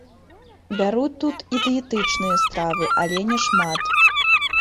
Бяруць тут і дыетычныя стравы, але няшмат.